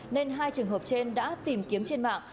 nên hai trường hợp trên đã tìm kiếm trên mạng